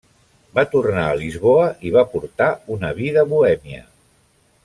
Va tornar a Lisboa i va portar una vida bohèmia.